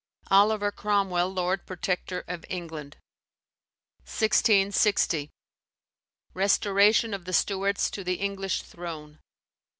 Oliver Cromwell lord protector of England. 1660. Restoration of the Stuarts to the English throne.